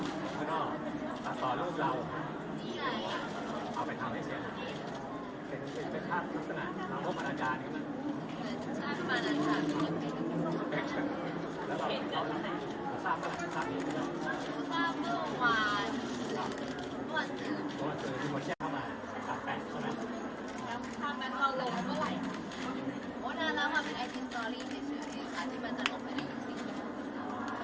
ต้องรู้สร้างเมื่อวันต้องรู้สร้างเมื่อวันต้องรู้สร้างเมื่อวันต้องรู้สร้างเมื่อวันต้องรู้สร้างเมื่อวันต้องรู้สร้างเมื่อวันต้องรู้สร้างเมื่อวันต้องรู้สร้างเมื่อวันต้องรู้สร้างเมื่อวันต้องรู้สร้างเมื่อวันต้องรู้สร้างเมื่อวันต้องรู้สร้างเมื่อวันต้องรู้สร้างเมื่อวันต้